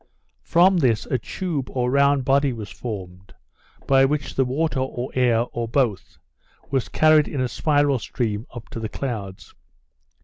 From this a tube, or round body, was formed, by which the water or air, or both, was carried in a spiral stream up to the clouds.